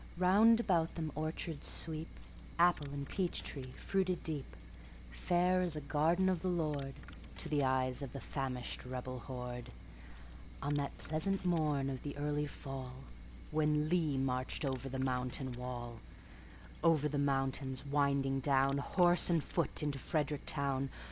Round about them orchards sweep, Apple and peach tree fruited deep, Fair as a garden of the LordTo the eyes of the famished rebel horde, On that pleasant morn of the early fallWhen Lee marched over the mountain wall,—Over the mountains winding down, Horse and foot, into Frederick town.